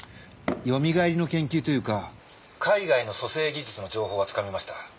よみがえりの研究というか海外の蘇生技術の情報はつかめました。